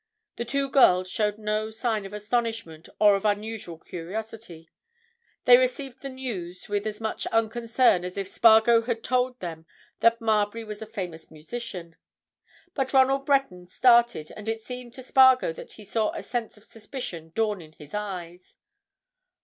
The two girls showed no sign of astonishment or of unusual curiosity; they received the news with as much unconcern as if Spargo had told them that Marbury was a famous musician. But Ronald Breton started, and it seemed to Spargo that he saw a sense of suspicion dawn in his eyes.